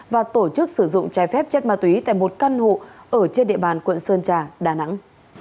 và tổ chức sử dụng trái phép chất ma túy tại một căn hộ ở trên địa bàn quận sơn trà đà nẵng